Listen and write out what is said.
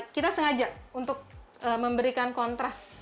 kita sengaja untuk memberikan kontras